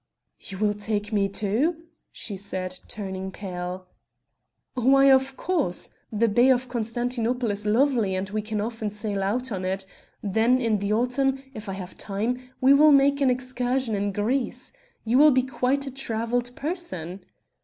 "You will take me too?" she said turning pale. "Why, of course. The bay of Constantinople is lovely and we can often sail out on it; then, in the autumn, if I have time, we will make an excursion in Greece. You will be quite a travelled person."